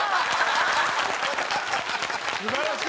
素晴らしい！